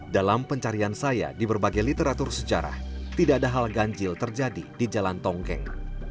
dalam pencarian saya di berbagai literatur sejarah tidak ada hal ganjil terjadi di jalan tongkeng